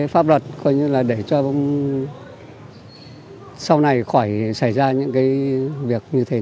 pháp luật coi như là để cho sau này khỏi xảy ra những cái việc như thế nữa